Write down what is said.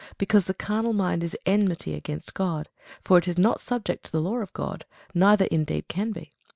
Because the carnal mind is enmity against God: for it is not subject to the law of God, neither indeed can be.